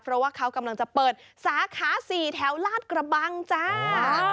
เพราะว่าเขากำลังจะเปิดสาขา๔แถวลาดกระบังจ้า